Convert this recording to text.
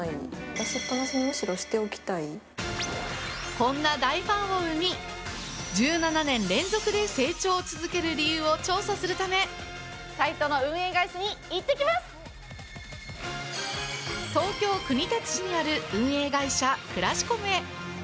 こんな大ファンを生み、１７年連続で成長を続ける理由を調査するため東京・国立市にある運営会社クラシコムへ。